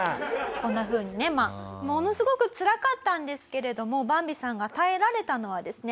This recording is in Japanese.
こんな風にねまあものすごくつらかったんですけれどもバンビさんが耐えられたのはですね